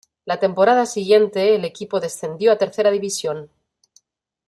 La temporada siguiente el equipo descendió a Tercera División.